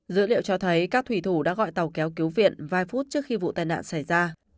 dữ liệu cho thấy các thủy thủ đã gọi tàu kéo viện vài phút trước khi vụ tai nạn xảy ra